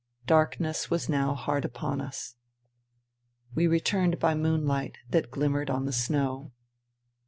Darkness was now hard upon us. We returned by moonlight that glimmered on the snow.